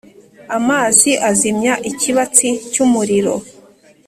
Amazi azimya ikibatsi cy’umuriro,